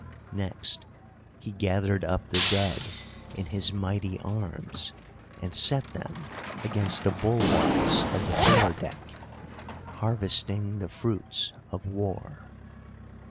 Next he gathered up the dead in his mighty arms, and set them against the bulwarks of the fore deck—harvesting the fruits of War.